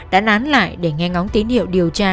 đã nán lại để nghe ngóng tín hiệu điều tra